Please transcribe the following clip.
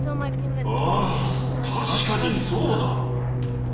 あ確かにそうだ。